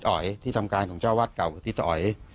ทิศออยที่ทำการของเจ้าวาดเก่าก็คือทิศออย